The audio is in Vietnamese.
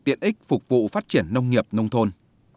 ích phục vụ phát triển nông nghiệp nông thôn